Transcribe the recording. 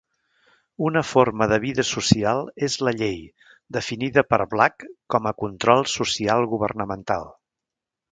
Una forma de vida social és la llei, definida per Black com a control social governamental.